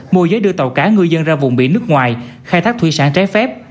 mô giới đưa tàu cá ngư dân ra vùng biển nước ngoài khai thác thủy sản trái phép